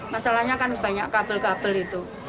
masalahnya kan banyak kabel kabel itu